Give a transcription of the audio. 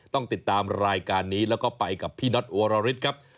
ต้องติดตามรายการนี้แล้วก็ไปกับพี่น็อตวรริสครับ